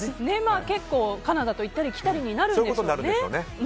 結構カナダと行ったり来たりになるんでしょうね。